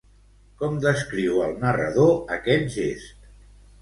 Com descriu el narrador aquest gest?